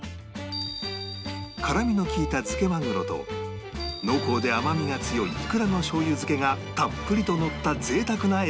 辛みの利いた漬けまぐろと濃厚で甘みが強いイクラのしょう油漬けがたっぷりとのった贅沢な駅弁